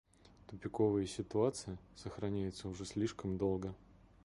Тупиковая ситуация сохраняется уже слишком долго.